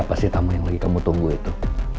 ada siapa sih tamu yang lagi kamu tunggu itu